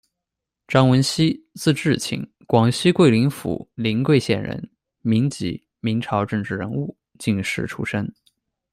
张文熙，字质卿，广西桂林府临桂县人，民籍，明朝政治人物、进士出身。